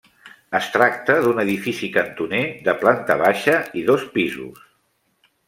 Es tracta d'un edifici, cantoner, de planta baixa i dos pisos.